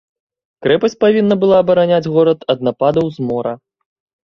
Крэпасць павінна была абараняць горад ад нападаў з мора.